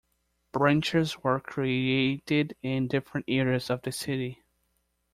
Branches were created in different areas of the city.